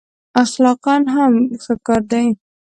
اخلاقأ هم ښه کار دی.